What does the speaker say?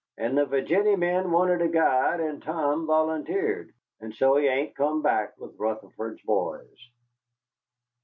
But the Virginny men wanted a guide, and Tom volunteered, and so he ain't come back with Rutherford's boys."